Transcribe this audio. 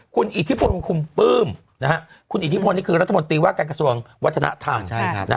คุณอิทธิพลคุมปลื้มคุณอิทธิพลนี่คือรัฐมนตรีว่าการกระทรวงวัฒนธรรม